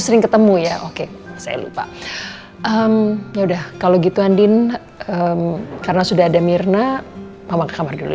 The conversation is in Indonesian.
sering ketemu ya oke saya lupa ya udah kalau gitu andin karena sudah ada mirna bawang ke kamar dulu